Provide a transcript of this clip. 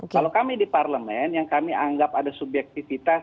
kalau kami di parlemen yang kami anggap ada subjektivitas